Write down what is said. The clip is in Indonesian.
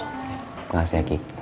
terima kasih aki